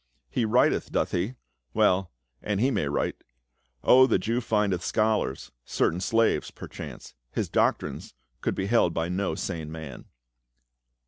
He writcth, doth he? Well, and he may write. O, the Jew findeth scholars ! Certain slaves, perchance. His doctrines could be held by no sane man."